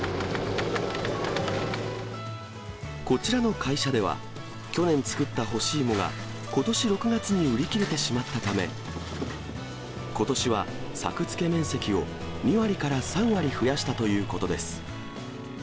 こちらの会社では、去年作った干し芋が、ことし６月に売り切れてしまったため、ことしは作付面積を２割から３割増やしたということです。